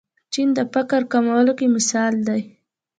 چین د فقر کمولو کې مثال دی.